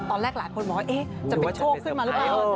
หลายคนบอกว่าจะเป็นโชคขึ้นมาหรือเปล่า